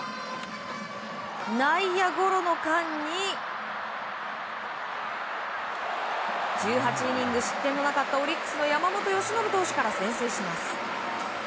内野ゴロの間に１８イニング失点のなかったオリックスの山本由伸投手から先制します。